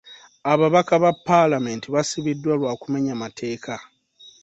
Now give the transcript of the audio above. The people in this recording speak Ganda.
Ababaka ba paalamenti baasibiddwa lwa kumenya mateeka.